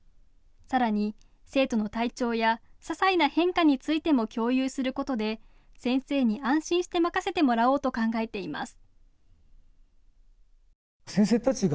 さらに生徒の体調やささいな変化についても共有することで、先生に安心して任せてもらおうと考えています。